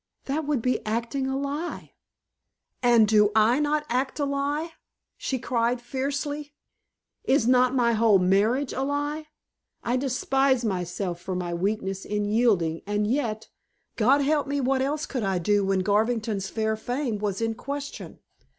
"That would be acting a lie." "And do I not act a lie?" she cried fiercely. "Is not my whole marriage a lie? I despise myself for my weakness in yielding, and yet, God help me, what else could I do when Garvington's fair fame was in question?